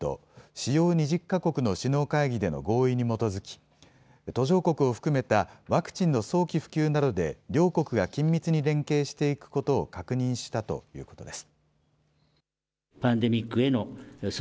・主要２０か国の首脳会議での合意に基づき途上国を含めたワクチンの早期普及などで両国が緊密に連携していくことを確認したということです。